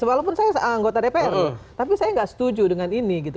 walaupun saya anggota dpr tapi saya nggak setuju dengan ini gitu